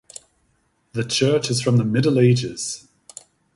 The church is from the Middle Ages.